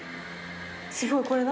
すごいこれ何？